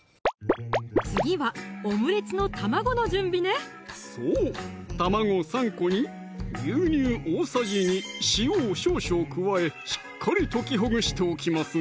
次はオムレツの卵の準備ねそう卵３個に牛乳大さじ２・塩を少々加えしっかり溶きほぐしておきます